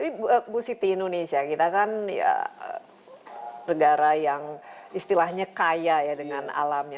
tapi bu siti indonesia kita kan negara yang istilahnya kaya ya dengan alamnya